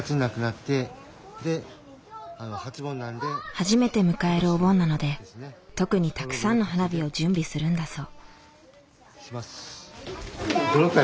初めて迎えるお盆なので特にたくさんの花火を準備するんだそう。